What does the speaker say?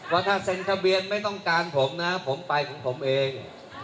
ว่าถ้าเซ็นทะเบียนไม่ต้องการผมนะผมไปของผมเอง